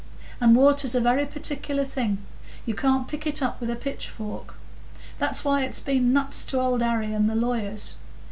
And water's a very particular thing; you can't pick it up with a pitchfork. That's why it's been nuts to Old Harry and the lawyers.